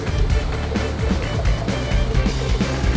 saya gak punya nomor hp usep